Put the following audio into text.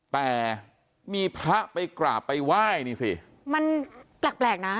แต่มีพระไปกราบไปไหว้นี่สิมันแปลกแปลกนะ